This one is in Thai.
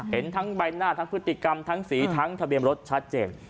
เห็นทั้งใบหน้าทั้งพฤติกรรมทั้งสีทั้งทะเบียนรถชัดเจน